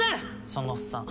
そのおっさん